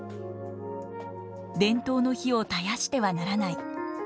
伝統の灯を絶やしてはならない。